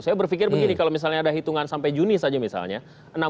saya berpikir begini kalau misalnya ada hitungan sampai juni saja misalnya